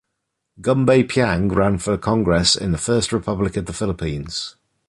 Gumbay Piang ran for congress in the First Republic of the Philippines.